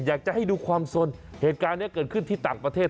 อยากจะให้ดูความสนเหตุการณ์นี้เกิดขึ้นที่ต่างประเทศ